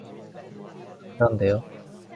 그런데요.